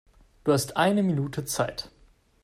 Du hast eine Minute Zeit.